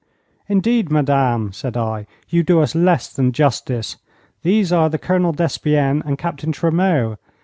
'Indeed, madame,' said I. 'You do us less than justice. These are the Colonel Despienne and Captain Tremeau.